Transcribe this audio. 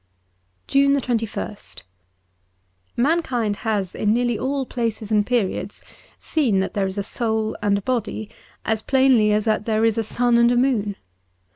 '' B89 JUNE 2ist ANKIND has in nearly all places and periods seen that there is a soul and a body as plainly as that there is a sun and moon.